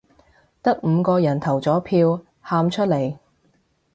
得五個人投咗票，喊出嚟